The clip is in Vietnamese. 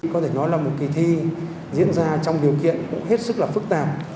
có thể nói là một kỳ thi diễn ra trong điều kiện cũng hết sức là phức tạp